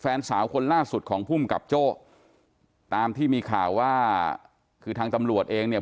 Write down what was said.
แฟนสาวคนล่าสุดของภูมิกับโจ้ตามที่มีข่าวว่าคือทางตำรวจเองเนี่ย